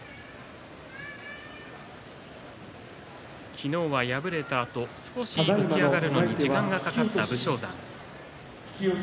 昨日は敗れたあと少し起き上がるのに時間がかかった武将山です。